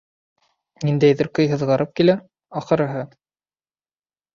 Ниндәйҙер көй һыҙғырып килә, ахырыһы.